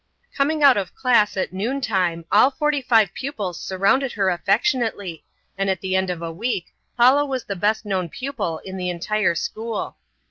Coming out of class at noon time all forty five pupils surrounded her affectionately, and at the end of a week Paula was the best known pupil in the entire school.